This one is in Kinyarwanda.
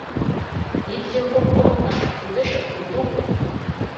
Nibyo koko afite imbwa eshatu murugo?